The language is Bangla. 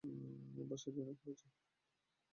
বাসায় ডিনার করা হচ্ছে!